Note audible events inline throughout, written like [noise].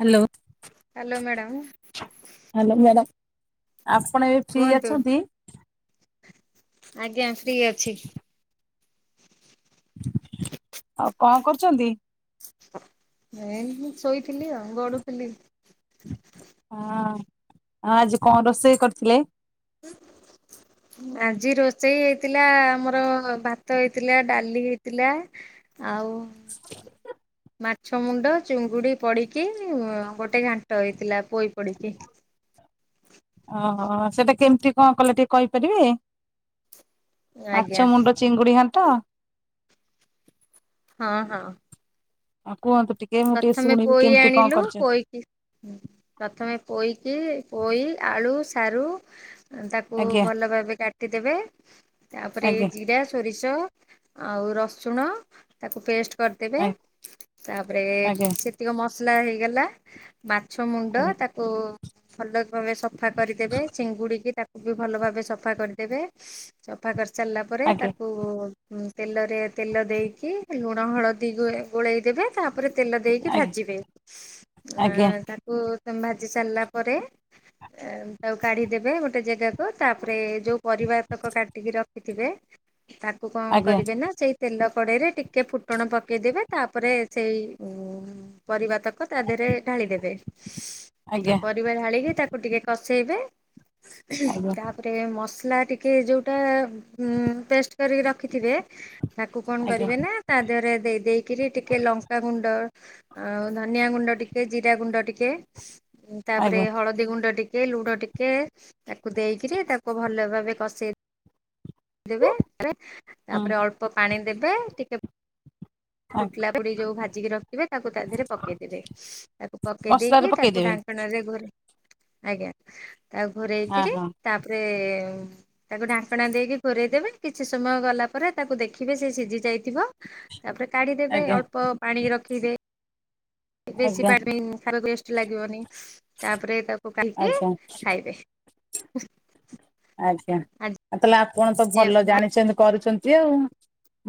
Hello hello madam hello madam ଆପଣ ଏବେ free କୁହନ୍ତୁ ଅଛନ୍ତି ଆଜ୍ଞା ଫ୍ରୀ ଅଛି। ଆଉ କଣ କରୁଛନ୍ତି? ନାଇଁ ମୁଁ ଶୋଇଥିଲି ଆଉ ଗଡୁଥିଲି। ହଁ ଆଜି କଣ ରୋଷେଇ କରିଥିଲେ? [inaudible] ଆଜି ରୋଷେଇ ହେଇଥିଲା ଆମର ଭାତ ହେଇଥିଲା ଡାଲି ହେଇଥିଲା। ଆଉ। [inaudible] ମାଛ ମୁଣ୍ଡ ଚୁଙ୍ଗୁଡି ପଡିକି ଗୋଟେ ଘାଣ୍ଟ ହେଇଥିଲା ପୋଇ ପଡିକି। ଓହୋ ସେଟା କେମିତି କଣ କଲେ ଟିକେ କହିପାରିବେ ଆଜ୍ଞା ମାଛ ମୁଣ୍ଡ ଚିଙ୍ଗୁଡି ଘାଣ୍ଟ। ହଁ ହଁ। ଆଉ କୁହନ୍ତୁ ଟି ପ୍ରଥମେ ପୋଇ ଆଣିଲୁ ପୋଇକି ପ୍ରଥମେ ପୋଇକି ପୋଇ ଆଳୁ ସାରୁ ତାକୁ ଆଜ୍ଞା ଭଲ ଭାବେ କାଟିଦେବେ ତାପରେ ଏ ଆଜ୍ଞା। ଜିରା ଷୋରିଷ ଆଉ ରସୁଣ ତାକୁ ପେଷ୍ଟ୍ କରିଦେବେ। ତାପରେ ଆଜ୍ଞା ସେତିକ ମସଲା ହେଇଗଲା ମାଛ ମୁଣ୍ଡ ଆଜ୍ଞା ତା ଓ ଭଲ ଭାବେ ସଫା କରିଦେବେ ଚିଙ୍ଗୁଡିକି ତା ବି ଭଲ ଭାବେ ସଫା କରିଦେବେ ସଫା କରି ସାରିଲା ପରେ ଆଜ୍ଞା ତାକୁ ତେଲରେ ତେଲ ଦେଇକି ଲୁଣ ହଳଦୀ ଗୋଳେଇ ଦେବେ ତାପରେ ତେଲ ଦେଇକି ଭାଜିବେ ଆଜ୍ଞା ଆଁ ତାକୁ ଭାଜି ସାରିଲା ପରେ ତାକୁ କାଢିଦେବେ ଗୋଟେ ଜେଗାକୁ ତାପରେ ଯୋଉ ପରିବା ତକ କାଟିକି ରଖିଥିବେ ତାକୁ କଣ ଆଜ୍ଞା କରିବେ ନା ସେଇ ତେଲ କଡ଼େଇରେ ଟିକେ ଫୁଟଣ ପକେଇଦେବେ ତାପରେ ସେଇ ପରିବା ତକ ତା ଦେହରେ ଢାଳି ଦେବେ ଆଉ ଆଜ୍ଞା ପରିବାର ହାଳିକି ତାକୁ ଟିକେ କଷେଇବେ ଆଜ୍ଞା ତାପ ଗଟେ ମସଲା ଟିକେ ଯୋଉଟା ପେଷ୍ଟ କରିକି ରଖିଥିବେ ତାକୁ କଣ ଆଜ୍ଞା କରିବେ ନା ତା ଦେହରେ ଦେଇ ଦେଇକରି ଟିକେ ଲଙ୍କ କା ଗୁଣ୍ଡ ଆଉ ଧନିଆ ଗୁଣ୍ଡ ଟିକେ ଜିରା ଗୁଣ୍ଡ ଟିକେ ତାପରେ ଆଜ୍ଞା ଆଜ୍ଞା ହଳଦୀ ଗୁଣ୍ଡ ଟିକେ ଲୁଣ ଟିକେ ତାକୁ ଦେଇକିରି ତାକୁ ଭଲ ଭାବେ କଷେଇ ଦେବେ ହୁଁ ତାପରେ ଅଳ୍ପ ପାଣି ଦେବେ ଟିକେ ଆଜ୍ଞା। ଫୁଟିଲା ପୁଡି ଯୋଉ ଭାଜିକି ରଖିବେ ତାକୁ ତା ଦେହରେ ପକେଇଦେବେ ତାକୁ ପକେଇ ମସଲାରେ ଦେଇକି ତାକୁ ପକେଇଦେବେ ଢାଙ୍କଣରେ ଆଜ୍ଞା ତା ହଁ ଘରୋଇକିରି ହଁ ତାପରେ ତାକୁ ଢାଙ୍କଣା ଦେଇକି ଘୋରୋଇ ଦେବେ କିଛି ସମୟ ଗଲା ପରେ ତାକୁ ଦେଖିବେ ସେ ସିଝି ଯାଇଥିବ ତାପରେ କାଢିଦେବେ ଆଜ୍ଞା ଅଳ୍ପ ପାଣି ରଖିବେ ବେଶୀ ଆଜ୍ଞା ପାଣି ଖାଇବାକୁ ଟେଷ୍ଟେ ଲାଗିବନି ତାପରେ ତାକୁ ଖାଇକି ଆଜ୍ଞା ଖାଇବେ। ଆଜ୍ଞା ଆଜି ତାହେଲେ ଆପଣ ତ ଭଲ ଜାଣିଛନ୍ତି କରୁଛନ୍ତି ଆଉ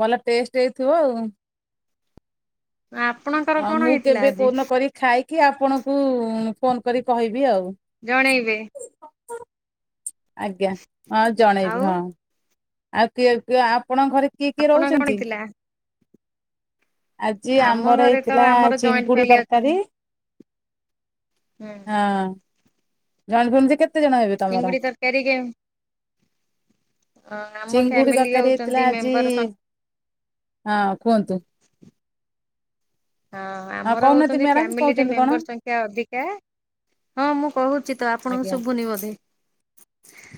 ଭଲ ଟେଷ୍ଟ ହେଇଥିବ ଆଉ। ଆପଣଙ୍କର ଆଉ କଣ ମୁଁ ହେଇଥିଲା କେବେ ଆଜି କୋଉଦିନ କରି ଖାଇକି ଆପଣଙ୍କୁ ଫୋନ କରି କହିବି ଆଉ। ଜଣେଇବେ? ଆଜ୍ଞା ହଁ ଜଣେଇବି ଆଉ ହଁ ଆଉ କିଏ ଆପଣଙ୍କ ଘରେ କିଏ କିଏ ଆପଣ କଣ ରହୁଛନ୍ତି? ଥିଲା? ଆଜି ଆମ ଆମର ଘରେ ତ ହେଇଥିଲା ଆମର ଜଏଣ୍ଟ ଚିଙ୍ଗୁଡି ଫ୍ୟାମିଲି ତରକାରୀ। ଅଛନ୍ତି ହୁଁ ହଁ ଝପମତି କେତେ [unintelligible] ତମର? ଚିଙ୍ଗୁଡି ତରକାରୀ କେ ଚିଙ୍ଗୁଡି ଫ୍ୟାମିଲି ତରକାରୀ ହଉଛନ୍ତି ହେଇଥିଲା ଆଜି। ମେମ୍ବର ସଂଖ୍ୟା ହଁ କୁହନ୍ତୁ? ହଁ ହଁ ଆମର କହୁନାହାନ୍ତି ହଉଛନ୍ତି ମ୍ୟାଡାମ ଫ୍ୟାମିଲିରେ କହୁଛନ୍ତି କଣ? ମେମ୍ବର ସଂଖ୍ୟା ଅଧିକା ହଁ ମୁଁ କହୁଛି ତ ଆପଣଙ୍କୁ ଆଜ୍ଞା ଶୁଭୁନି ବୋଧେ?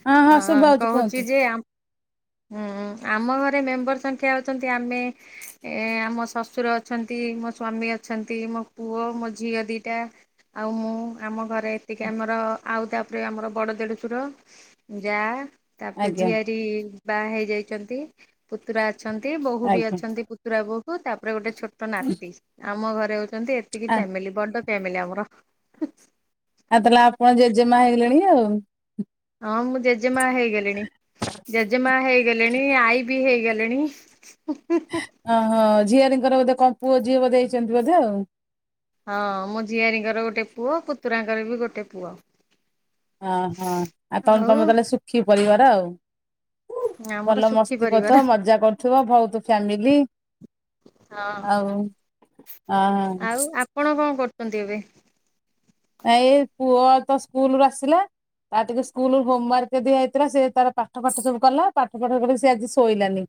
ହଁ ହଁ ଆ ଶୁଭା ହଉଛି କୁହନ୍ତୁ କହୁଛି ଯେ ହୁଁ ଆମ ଘରେ ମେମ୍ବର ସଂଖ୍ୟା ହଉଛନ୍ତି ଆମେ ଏ ଆମ ଶ୍ୱଶୁର ଅଛନ୍ତି ମୋ ସ୍ଵାମୀ ଅଛନ୍ତି ମୋ ପୁଅ ମୋ ଝିଅ ଦିଟା ଆଉ ମୁଁ ଆମ ଘର ଏତିକି ଆମର ଆଉ ତାପରେ ଆମର ବଡ ଦେଢସୁର ଯା ତାପରେ ଆଜ୍ଞା ଝିଆରୀ ବାହା ହେଇଯାଇଛନ୍ତି ପୁତୁରା ଅଛନ୍ତି ବୋହୂ ବି ଆଜ୍ଞା। ଅଛନ୍ତି ପୁତୁରା ବୋହୂ ତାପରେ ଗୋଟେ ଛୋଟ ନାତି ଆମ ଘରେ ହଉଛନ୍ତି ଏତିକି ଆ ଫ୍ୟାମିଲି ବଡ ଫ୍ୟମିଲ ଆମର। ଆଉ ତାହେଲେ ଆପଣ ଜେଜେମା ହେଇଗଲେଣି ଆଉ? ହଁ ମୁଁ ଜେଜେମା ହେଇଗଲିଣି। ଜେଜେମା ହେଇଗଲେଣି ଆଈ ବି ହେଇଗଲେଣି। ଓହୋ ଝିଆରୀଙ୍କର ବୋଧେ କଣ ପୁଅ ଝିଅ ବୋଧେ ହେଇଛନ୍ତି ବୋଧେ ଆଉ? ହଁ ମୋ ଝିଆରୀଙ୍କର ଗୋଟେ ପୁଅ ପୁତୁରାଙ୍କର ବି ଗୋଟେ ପୁଅ। ଓହୋ ଆଉ ତମେ ଆଉ ତମେ ତାହଲେ ସୁଖି ପରିବାର ଆଉ ଆମର ଭଲ ସୁଖୀ ମସ୍ତି ପରିବାର କରୁଥିବ ମଜା କରୁଥିବ ବହୁତ ଫ୍ୟାମିଲି? ହଁ ଆଉ ହାଁ କଣ କଣ କରୁଛନ୍ତି ଏବେ? ଏଇ ପୁଅ ତ ସ୍କୁଲରୁ ଆସିଲା। ତା ଟିକେ ସ୍କୁଲ ହୋମ ୱାର୍କ ଦିଆ ହୋଇଥିଲା ସେ ତାର ପାଠ ଫାଠ ସବୁ କଲା ପାଠ ପଢିକରି ସେ ଆଜି ଶୋଇଲାନି।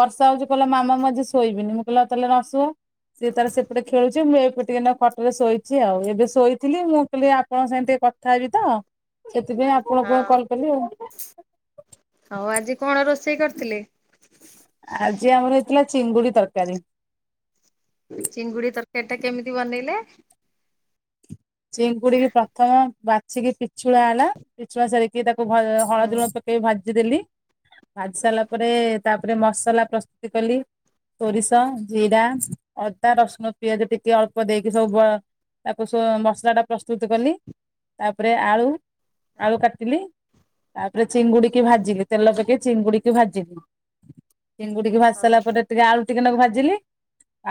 ବର୍ଷା ହଉଛି କହିଲା ମାମା ମୁଁ ଆଜି ଶୋଇବିନି ମୁଁ କହିଲି ତାହେଲେ ନ ସୁ। ସିଏ ତାର ସେପଟେ ଖେଳୁଛି ମୁଁ ଏବେ ଟିକେ ଖଟରେ ଶୋଇଛି ଆଉ ଏବେ ଶୋଇ ଥିଲି ମୁଁ କହିଲି ଆପଣ ସାଙ୍ଗରେ ଟିକେ କଥା ହେବି ତ ସେଥିପାଇଁ ଆପଣଙ୍କୁ ହଁ କଲ୍ କଲି ଆଉ। ଆଉ ଆଜି କଣ ରୋଷେଇ କରିଥିଲେ? ଆଜି ଆମର ହେଇଥିଲା ଚିଙ୍ଗୁଡି ତରକାରୀ। ଚିଙ୍ଗୁଡି ତରକାରୀ ଟା କେମିତି ବନେଇଲେ? ଚିଙ୍କୁଡିକୁ ପ୍ରଥମ ବାଛିକି ପିଛୁଳା ହେଲା, ପିଛୁଳା ସରିକି ତାକୁ ହୁଁ ହଳଦୀ, ଲୁଣ ଦେଇ ଭାଜିଦେଲି, ଭାଜି ସାରିଲା ପରେ ତାପରେ ମସଲା ପ୍ରସ୍ତୁତି କଲି। ସୋରିଷ, ଜିରା, ଅଦା, ରସୁଣ, ପିଆଜ ଟିକେ ଅଳ୍ପ ଦେଇକି ସବୁ ତାକୁ ସ ମସଲାଟା ପ୍ରସ୍ତୁତ କଲି ତାପରେ ଆଳୁ, ଆଳୁ କାଟିଲି। ତାପରେ ଚିଙ୍ଗୁଡ଼ି କି ଭାଜିଲି ତେଲ ପକେଇ ଚିଙ୍ଗୁଡ଼ିକୁ ଭାଜିଲି। ଚିଙ୍ଗୁଡ଼ିକୁ ଭାଜି ହଁ ସାରିଲା ପରେ ଟିକେ ଆଳୁ, ଟିକେ ଟାକୁ ଭାଜିଲି।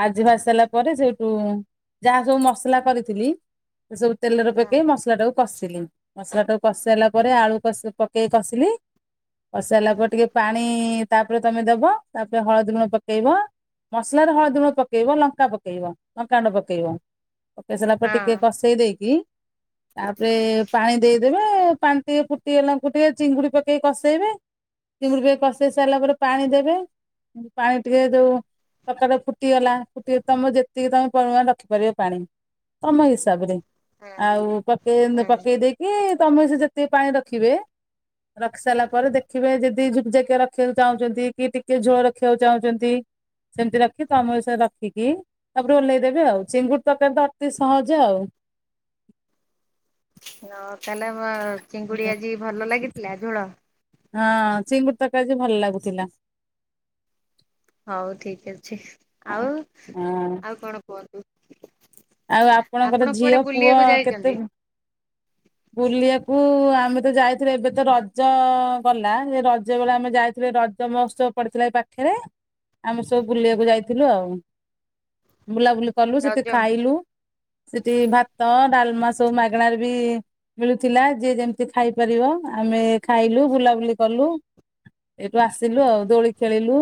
ଆଜି ଭାଜି ସାରିଲା ପରେ ସେଇଠୁ ଯାହା ସବୁ ମସଲା କରିଥିଲି। ଏ ସବୁ ତେଲରେ ପକେଇ ମସଲା ଟାକୁ। କଷିିଲି, ମସଲାଟା କଷିି ସରିଲା ପରେ ଆଳୁ ପକେଇ କଷିଲି। କଷି ସାରିଲା ପରେ ଟିକେ ପାଣି ତାପରେ ତମେ ଦେବ ତାପରେ ହଳଦୀ ଗୁଣ ପକେଇବ। ମସଲାରେ ହଳଦୀ ଗୁଣ୍ଡ ପକେଇବ, ଲଙ୍କା ପକେଇବ, ଲଙ୍କାଣ୍ଡ ପକେଇବ। ପକେଇ ସାରିଲା ପରେ ହଁ। ଟିକେ କଷେଇ ଦେଇକି ତାପରେ ପାଣି ଦେଇଦେବେ ପାଣି ଟିକେ ଫୁଟିଗଲାଙ୍କୁ ଟିକେ ଚିଙ୍ଗୁଡି ପକେଇ କସେଇବେ। ଚିଙ୍ଗୁଡ଼ି କେ କଷେଇ ସାରିଲା ପରେ ପାଣି ଦେବେ ପାଣି ଟିକେ ଯୋଉ। ସକାଟେ ଫୁଟିଗଲା ଫୁଟି ତମର ଯେତିକି ତମେ ପରିମାଣ ରଖିପାରିବ ପାଣି, ତମ ହିସା ହିସାବରେ ହୁଁ ଆଉ ପକେଇ ହୁଁ ପକେଇ ଦେଇକି ତମେ ସେ ଯେତିକି ପାଣି ରଖିବେ। ରଖି ସାରିଲା ପରେ ଦେଖିବେ ଯଦି ଝୁକ୍ ଜାକ ରଖିବାକୁ ଚାହୁଁଛନ୍ତି କି ଟିକେ ଝୋଳ ରଖିବାକୁ ଚାହୁଁଛନ୍ତି। ସେମିତି ରଖି ତମ ବି ସେ ରଖିକି ତାପରେ ଓହ୍ଲେଇ ଦେବେ ଆଉ ଚିଙ୍ଗୁଡି ତରକାରୀ ଅତି ସହଜ ଆଉ। ହଁ ତାହେଲେ ଚିଙ୍ଗୁଡି ଆଜି ଭଲ ଲାଗିଥିଲା ଝୋଳ। ହଁ ଚିଙ୍ଗୁଡ଼ି ତରକାରୀ ଆଜି ଭଲ ଲାଗୁଥିଲା। ହଉ ଠିକ ଅଛି। ଆଉ ହଁ ଆଉ କଣ କୁହନ୍ତୁ। ଆଉ ଆପଣ ଆପଣଙ୍କର କୁଆଡେ ଝିଅ ପୁଅ ବୁଲିବାକୁ ଯାଇଛନ୍ତି କେତେ? ବୁଲିବାକୁ ଆମେ ତ ଯାଇଥିଲେ ଏବେ ତ ରଜ ଗଲା, ଏ ରଜ ବେଳେ ଆମେ ଯାଇଥିଲୁ। ରଜ ତମ ଉତ୍ସବ ପଡିଥିଲା ଏ ପାଖରେ ଆମେ ସବୁ ବୁଲିବାକୁ ଯାଇଥିଲୁ ଆଉ। ବୁଲାବୁଲି କଲୁ ସେଠି ରଜ ହୁଁ ଖାଇଲୁ, ସେଠି ଭାତ, ଡାଲମା ସବୁ ମାଗଣାରେ ବି ମିଳୁଥିଲା, ଯିଏ ଯେମିତି ଖାଇ ପାରିବ ଆମେ ଖାଇଲୁ ବୁଲାବୁଲି କଲୁ। ଏଇଠୁ ଆସିଲୁ ଆଉ ଦୋଳି ଖେଳିଲୁ।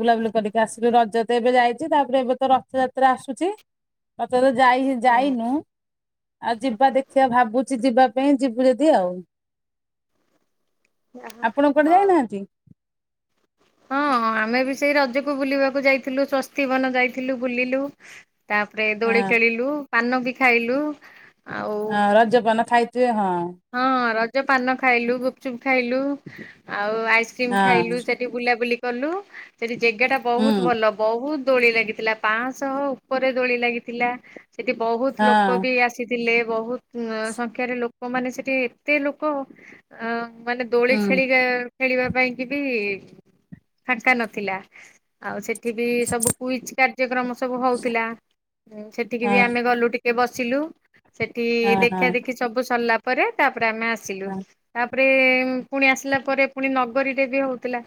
ବୁଲାବୁଲି କରିକି ଆସିଲୁ, ରଜ ତ ଏବେ ଯାଇଛି ତାପରେ ଏବେ ତ ରଥଯାତ୍ରା ଆସୁଛି। ମତେ ତ ଯାଇ ଯାଇନୁ ଆଉ ଯିବା ଦେଖ। ସେୟା ଭାବୁଛି ଯିବା ପାଇଁ, ଯିବୁ ଯଦି ଆଉ। ହଉ। ଆପଣ କୁଆଡେ ଯାଇନାହାନ୍ତି। ହଁ ଆମେ ବି ସେଇ ରଜକୁ ବୁଲିବାକୁ ଯାଇଥିଲୁ। ସ୍ଵସ୍ତିବନ ଯାଇଥିଲୁ ବୁଲିଲୁ। ତାପରେ ଦୋଳି ହଁ ଖେଲିଲୁ, ପାନ ବି ଖାଇଲୁ। ଆଉ ହଁ ରଜପାନ ଖାଇଥିବେ। ହଁ ହଁ ରଜ ପାନ ଖାଇଲୁ, ଗୁପଚୁପ ଖାଇଲୁ ଆଉ ଆଇସ୍କ୍ରିମ ହଁ ଖାଇଲୁ। ସେଠି ଠି ବୁଲାବୁଲି କଲୁ ସେଠି ଜାଗେ ଟା ବହୁତ ହୁଁ ଭଲ। ବହୁତ ଦୋଳି ଲାଗିଥିଲା ପାଂଶହ ଉପରେ ଦୋଳି ଲାଗିଥିଲା। ସେଠି ବହୁତ ଲୋକ ହଁ ବି ଆସିଥିଲେ ବହୁତ ସଂଖ୍ୟାରେ ଲୋ ଲୋକ ମାନେ ସେଠି ଏତେ ଲୋକ ଅ ମାନେ ଦୋଳି ହୁଁ ଖେଳିି କା ଖେଳିବା ପାଇଁ କି ବି ଫାଙ୍କା ନଥିଲା। ଆଉ ସେଠି ବି ସବୁ କୁଇଜ କାର୍ଯ୍ୟକ୍ରମ ସବୁ ହଉଥିଲା ସେଠିକି ବି ହଁ ଆମେ ଗଲୁ ଟି ଟିକେ ବସିଲୁ ସେଠି ହଁ ଦେଖା ହଁ ଦେଖି ସବୁ ସରିଲା ପରେ ତାପରେ ଆମେ ଆସିଲୁ। ତାପରେ ପୁଣି ଆସିଲା ପରେ ପୁଣି ନଗରୀରେ ବି ହଉଥିଲା।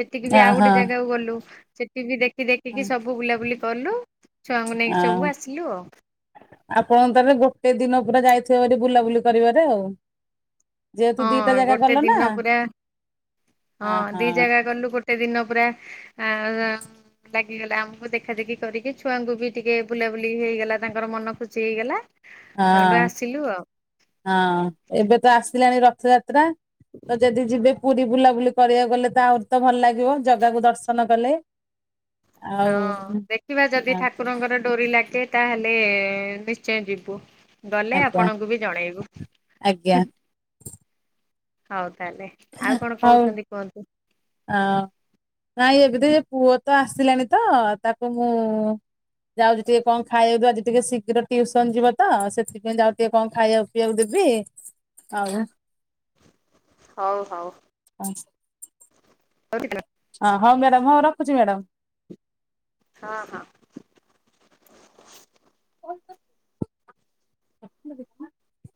ସେଠିକି ବି ଆଉ ହଁ ଗୋଟେ ଜାଗାକୁ ଗଲୁ ସେଠି ବି ଦେ ହଁ ଦେଖିକି ସବୁ ବୁଲାବୁଲି କଲୁ ଛୁଆଙ୍କୁ ନେଇକି ହଁ ସବୁ ଆସିଲୁ ଆଉ। ଆପଣ ତରେ ଗୋଟେ ଦିନ ପୁରା ଯାଇଥିବ ହେରୀ ବୁଲାବୁଲି କରିବାରେ ଆଉ। ଯେହେତୁ ଦିଟା ହଁ ଜାଗା ଗୋଟେ ଗଲ ନା ଦିନ ପୁରା ହଁ ଦି ଜାଗା ଗଲୁ ଗୋ ଗୋଟେ ଦିନ ପୁରା ଆ ଲାଗିଗଲା ଆମକୁ ଦେଖା ଦେଖି କରିକି ଛୁଆଙ୍କୁ ବି ଟିକେ ବୁଲାବୁଲି ହେଇଗଲା ତାଙ୍କର ମନ ଖୁସି ହେଇଗଲା। ସେଉଠୁ ହଁ ଆସିଲୁ ଆଉ। ହଁ ଏବେ ତ ଆସିଲାଣି ରଥଯାତ୍ରା। ତ ଯଦି ଯିବେ ପୁରୀ ବୁଲାବୁଲି କରିବାକୁ ଗଲେ ତ ଆହୁରି ତ ଭଲ ଲାଗିବ ଜାଗାକୁ ଦର୍ଶନ କଲେ। ହଁ ଆଉ ଦେଖିବା ଯଦି ହଁ ଠାକୁରଙ୍କର ଡୋରି ଲାଗେ ତାହେଲେ ନିଶ୍ଚୟ ଯିବୁ। ଗଲେ ଆଜ୍ଞା ଆପଣଙ୍କୁ ବି ଜଣେଇବୁ ଆଜ୍ଞା ହୁଁ ହଉ ତାହେଲେ। ଆଉ କଣ ହଉ କହୁଛନ୍ତି କୁହନ୍ତୁ? ଆ ନାଇଁ ଏବେତି ପୁଅ ତ ଆସିଲାଣି ତ ତାକୁ ମୁଁ ଯାଉଛି ଟିକେ କଣ ଖାଇବାକୁ ଆଜି ଟିକେ ଶୀଘ୍ର ଟ୍ୟୁସନ ଯିବ ତ ସେଥିପାଇଁ ଯାଉ ଟିକେ କଣ ଖାଇଆକୁ ପିଇବାକୁ ଦେବି ଆଉ ହଉ ହଉ। ହଁ। [unintelligible] ପବିତ୍ର [unintelligible] ହଁ ହଁ ମ୍ୟାଡାମ ହଉ ରଖୁଛି ମ୍ୟାଡ଼ାମ। ହଁ ହଁ। [unintelligible]